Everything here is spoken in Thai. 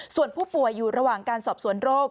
ส่วนผู้ป่วยอยู่ระหว่างการสอบสวนโรค